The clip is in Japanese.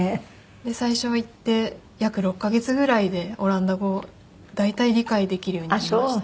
最初行って約６カ月ぐらいでオランダ語を大体理解できるようになりました。